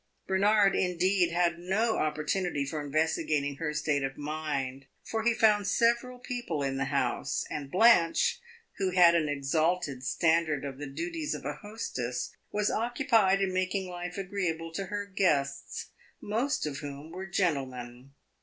Bernard, indeed, had no opportunity for investigating her state of mind, for he found several people in the house, and Blanche, who had an exalted standard of the duties of a hostess, was occupied in making life agreeable to her guests, most of whom were gentlemen.